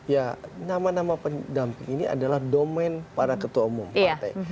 ya nama nama pendamping ini adalah domain para ketua umum partai